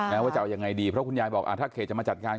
เพราะคุณยายบอกถ้าเขตจะมาจัดงาน